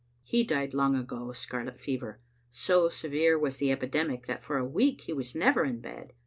He died long ago of scarlet fever. So severe was the epidemic that for a week he was never in bed.